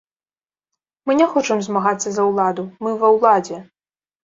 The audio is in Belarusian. Мы не хочам змагацца за ўладу, мы ва ўладзе.